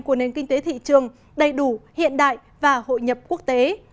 của nền kinh tế thị trường đầy đủ hiện đại và hội nhập quốc tế